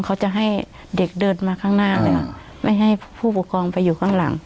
เขาจะให้เด็กเดินมาข้างหน้าเลยค่ะไม่ให้ผู้ปกครองไปอยู่ข้างหลัง